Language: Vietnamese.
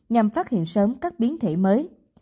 nhằm phát hiện sớm các biến thể mới